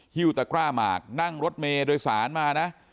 ฮิ้วตะกร้าหมากนั่งรถเมย์โดยสารมานะ